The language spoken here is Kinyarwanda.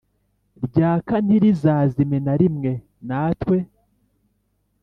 Ryaka ntirizazime na rimwe natwe